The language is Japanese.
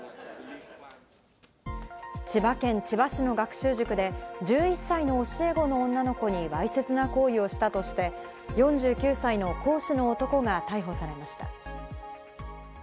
千葉県千葉市の学習塾で１１歳の教え子の女の子にわいせつな行為をしたとして、４９歳の講師の男が逮捕されました。